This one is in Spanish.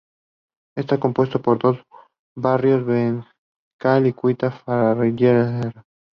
Está compuesto por dos barrios: Benicalap y Ciutat Fallera.